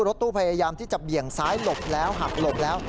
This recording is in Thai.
รถตู้พยายามที่จะเบี่ยงซ้ายหลบแล้วหักหลบแล้ว